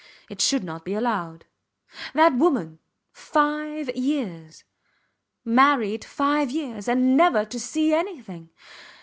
It should not be allowed. That woman! Five ... years ... married five years ... and never to see anything.